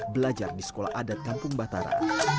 belajar di sekolah adat kampung batara